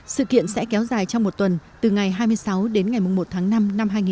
sự kiện sẽ kéo dài trong một tuần từ ngày hai mươi sáu đến ngày một tháng năm năm hai nghìn một mươi chín